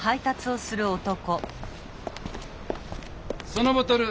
そのボトル